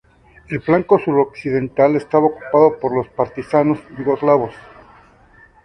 El flanco suroccidental estaba ocupado por los Partisanos yugoslavos.